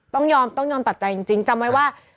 ต้องยอมตัดใจจริงจำไว้ว่า